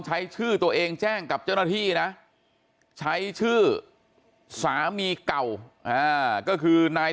ใช้ชื่อตัวเองแจ้งกับเจ้าหน้าที่นะใช้ชื่อสามีเก่าก็คือนาย